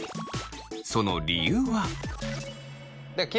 その理由は。